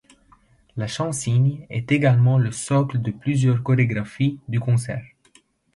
Le chansigne est également le socle de plusieurs chorégraphies du concert.